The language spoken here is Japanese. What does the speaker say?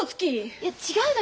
いや違うのよ。